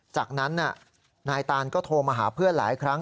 จากนั้นนายตานก็โทรมาหาเพื่อนหลายครั้ง